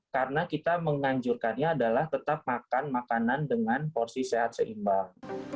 karena kita menganjurkannya adalah tetap makan makanan dengan porsi sehat seimbang